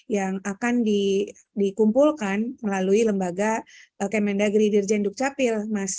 yang akan dikumpulkan melalui lembaga kemendagri dirjen dukcapil